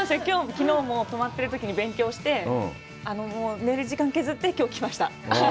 きのうも泊まってるときに勉強して寝る時間を削ってきょう来ました。